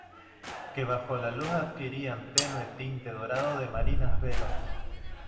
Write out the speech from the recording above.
que bajo la luz adquirían tenue tinte dorado de marinas velas.